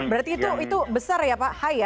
berarti itu besar ya pak hai ya